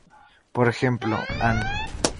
Por ejemplo, "An.